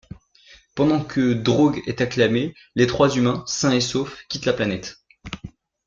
Pendant que Drog est acclamé, les trois humains, sains et saufs, quittent la planète.